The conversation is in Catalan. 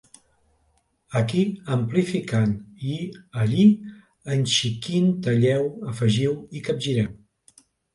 Aquí amplificant i allí enxiquint, talleu, afegiu i capgireu.